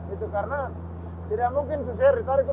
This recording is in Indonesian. itu karena tidak mungkin susah ditarik terus saja